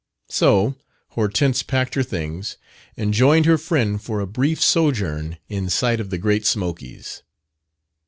So Hortense packed her things and joined her friend for a brief sojourn in sight of the Great Smokies.